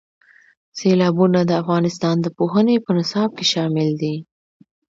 سیلابونه د افغانستان د پوهنې په نصاب کې شامل دي.